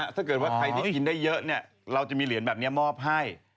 ถ้าใครที่กินได้เยอะเราจะมีเหรียญแบบนี้มอบให้